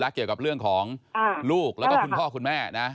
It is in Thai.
เกี่ยวกับเรื่องของลูกแล้วก็คุณพ่อคุณแม่นะ